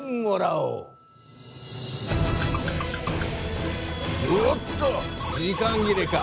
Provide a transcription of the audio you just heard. うおっと時間切れか。